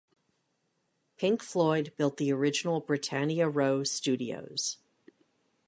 Pink Floyd built the original Britannia Row Studios.